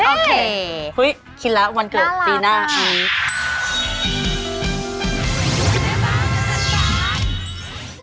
โอเคคิดแล้ววันเกิดฟรีหน้าอันนี้น่ารักค่ะ